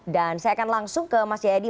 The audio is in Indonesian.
dan saya akan langsung ke mas jayadi